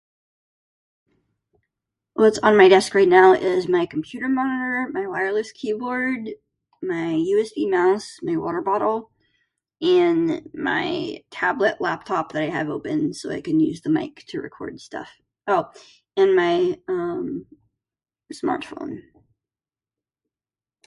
What's on my desk right now is my computer monitor, my wireless keyboard, my USB mouse, my water bottle and my tablet laptop that I have open so I can use the mic to record stuff. Oh, and my, um, smartphone.